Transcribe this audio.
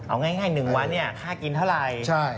เอาง่ายหนึ่งวันค่ากินเท่าไร